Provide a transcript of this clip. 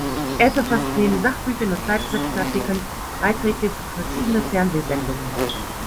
Er verfasst neben Sachbüchern und Zeitschriftenartikeln Beiträge für verschiedene Fernsehsendungen.